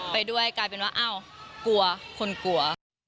ที่บอกว่ากลัวคนกลัว